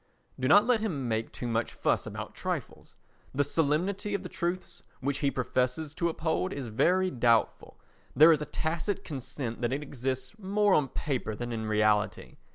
Do not let him make too much fuss about trifles. The solemnity of the truths which he professes to uphold is very doubtful; there is a tacit consent that it exists more on paper than in reality.